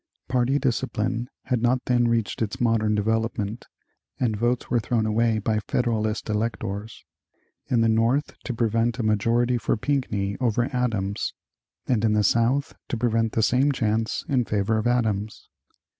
Party discipline had not then reached its modern development, and votes were thrown away by Federalist electors, in the North to prevent a majority for Pinckney over Adams and in the South to prevent the same chance in favor of Adams.